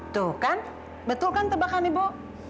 tuh kan betul kan tebakan ibu